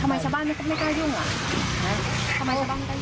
ทำไมชาวบ้านมันก็ไม่กล้ายุ่งหรอก